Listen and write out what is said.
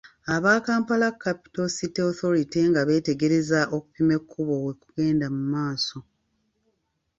Aba Kampala Capital City Authority nga beetegereza okupima ekkubo bwe kugenda mu maaso.